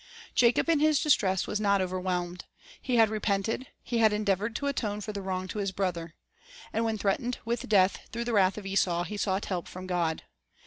1 Jacob in his distress was not overwhelmed. He had repented, he had endeavored to atone for the wrong to his brother. And when threatened with death through the wrath of Esau, he sought help from God.